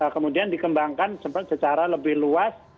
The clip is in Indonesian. kemudian dikembangkan secara lebih luas